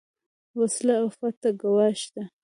وسله عفت ته ګواښ ده